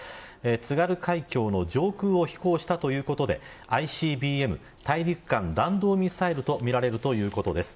津軽海峡の上空を飛行したということでＩＣＢＭ大陸間弾道ミサイルとみられるということです。